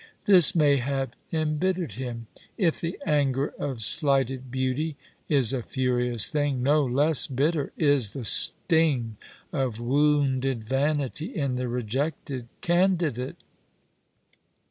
This may have embittered him. If the anger of slighted beauty is a furious thing, no less bitter is the sting of wounded vanity in the rejected candidate.